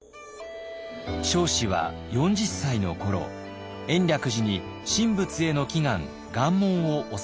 彰子は４０歳の頃延暦寺に神仏への祈願願文を納めています。